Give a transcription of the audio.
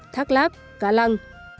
các lớp cả lần